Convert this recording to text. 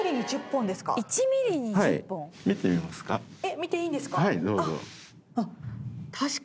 見ていいんですか？